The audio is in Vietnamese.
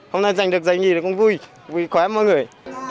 hôm nay giành được giành gì cũng vui vui khỏe mọi người